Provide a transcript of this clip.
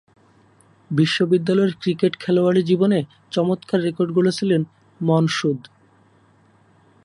বিশ্ববিদ্যালয়ের ক্রিকেট খেলোয়াড়ী জীবনে চমৎকার রেকর্ড গড়েছিলেন মন সুদ।